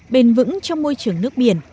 bền vững trong môi trường nước biển